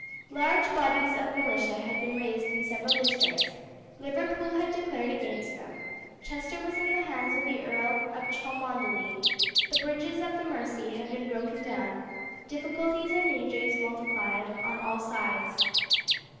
Large bodies of militia had been raised in several districts. Liverpool had declared against them; Chester was in the hands of the Earl of Cholmondeley; the bridges of the Mersey had been broken down; difficulties and dangers multiplied on all sides.